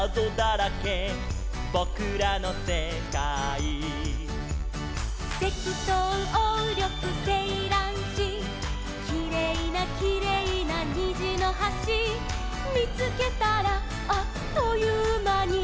「ぼくらのせかい」「セキトウオウリョクセイランシ」「きれいなきれいなにじのはし」「みつけたらあっというまに」